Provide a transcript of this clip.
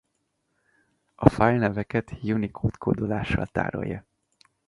A fájlneveket Unicode kódolással tárolja.